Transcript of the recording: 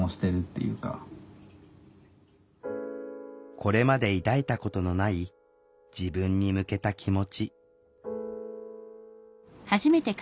これまで抱いたことのない自分に向けた気持ち。